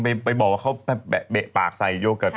ไปบอกว่าเขาเบะปากใส่โยเกิร์ต